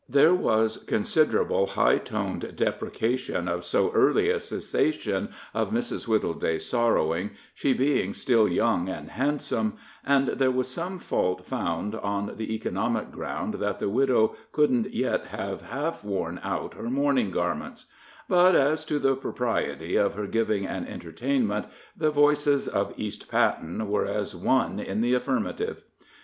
There was considerable high toned deprecation of so early a cessation of Mrs. Wittleday's sorrowing, she being still young and handsome, and there was some fault found on the economic ground that the widow couldn't yet have half worn out her mourning garments; but as to the propriety of her giving an entertainment, the voices of East Patten were as one in the affirmative.